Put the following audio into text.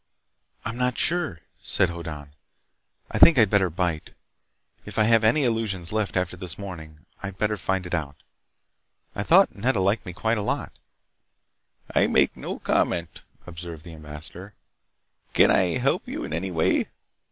"I'm not sure," said Hoddan. "I think I'd better bite. If I have any illusions left after this morning, I'd better find it out. I thought Nedda liked me quite a lot." "I make no comment," observed the ambassador. "Can I help you in any way?"